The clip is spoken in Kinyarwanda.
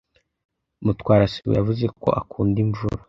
Mutwara sibo yavuze ko akunda imvura.